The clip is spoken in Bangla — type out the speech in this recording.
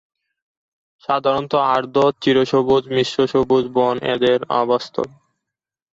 সাধারণত আর্দ্র চিরসবুজ ও মিশ্র চিরসবুজ বন এদের আবাসস্থল।